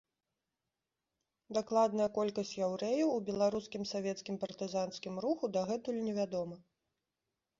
Дакладная колькасць яўрэяў у беларускім савецкім партызанскім руху дагэтуль невядома.